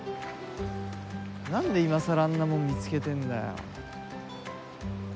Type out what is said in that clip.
何で今更あんなもん見つけてえんだよ。